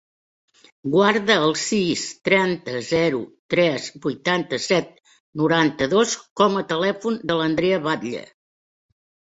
Guarda el sis, trenta, zero, tres, vuitanta-set, noranta-dos com a telèfon de l'Andrea Batlle.